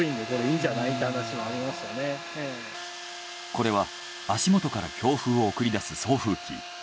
これは足元から強風を送り出す送風機。